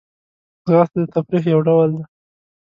ځغاسته د تفریح یو ډول دی